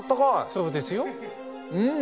そうですよ。